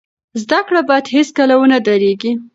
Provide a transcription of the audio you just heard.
زده کړه باید هیڅکله ونه دریږي.